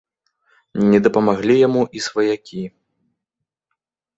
Не дапамаглі яму і сваякі.